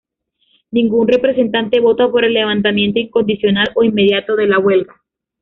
Ningún representante vota por el levantamiento incondicional o inmediato de la huelga.